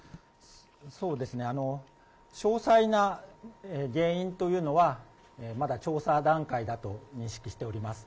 そうですね、詳細な原因というのは、まだ調査段階だと認識しております。